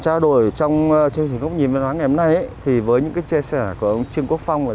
chương trình gốc nhìn văn hóa ngày hôm nay ấy thì với những cái chia sẻ của ông trương quốc phong và